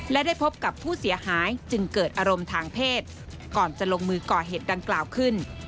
และได้พบกับผู้เสียหายจึงเกิดอารมณ์ทางเพศก่อนจะลงมือก่อเหตุดังกล่าวขึ้น